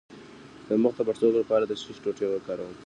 د مخ د پړسوب لپاره د څه شي ټوټې وکاروم؟